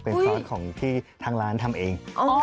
เป็นซอสของที่ทางร้านทำเอง